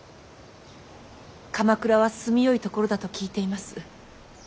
鎌倉は住みよい所だと聞いています。